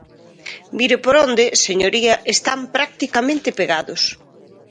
Mire por onde, señoría, están practicamente pegados.